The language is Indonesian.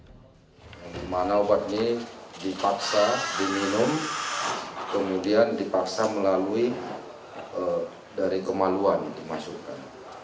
yang dimana obat ini dipaksa diminum kemudian dipaksa melalui dari kemaluan dimasukkan